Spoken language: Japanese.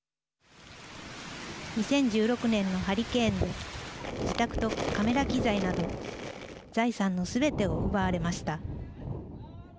２０１６年のハリケーンで自宅とカメラ機材など財産のすべてを奪われました。